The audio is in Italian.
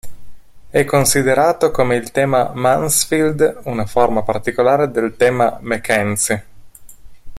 È considerato, come il tema Mansfield, una forma particolare del tema Mackenzie.